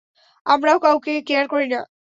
আমরাও কাউকে কেয়ার করি না।